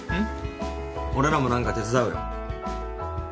俺らも何か手伝うよ。